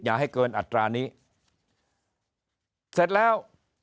อย่าให้เกินอัตรานี้เสร็จแล้ว